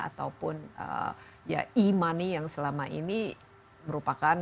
ataupun ya e money yang selama ini merupakan